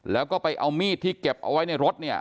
แล้วก็ไปเอามีดที่เก็บเอาไว้ในรถเนี่ย